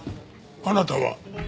あなたは？